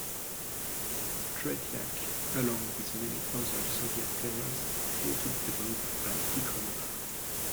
Tretiak, along with many other Soviet players, hated the move by Tikhonov.